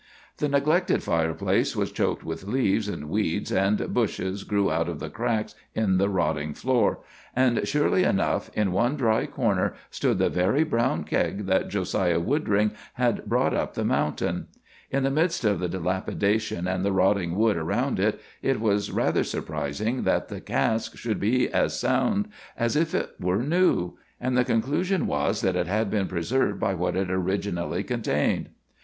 The neglected fireplace was choked with leaves, and weeds and bushes grew out of the cracks in the rotting floor; and, surely enough, in one dry corner stood the very brown keg that Josiah Woodring had brought up the mountain. In the midst of the dilapidation and the rotting wood about it, it was rather surprising that the cask should be as sound as if it were new, and the conclusion was that it had been preserved by what it originally contained.